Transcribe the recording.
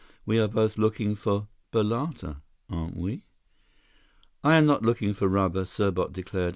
"We are both looking for balata, aren't we?" "I am not looking for rubber," Serbot declared.